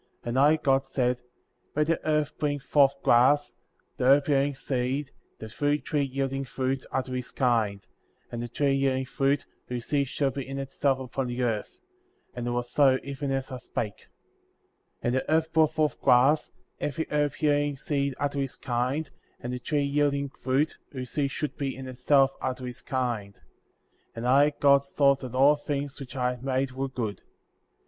And I, God, said: Let the earth bring forth grass, the herb yielding seed, the fruit tree yielding fruit, after his kind, and the tree yielding fruit, whose seed should be in itself upon the earth, and it was so even as I spake. 12. And the earth brought forth grass, every herb yielding seed after his kind, and the tree yielding fruit, whose seed should be in itself, after his kind ; and I, God, saw that all things which I had made were good;* 13.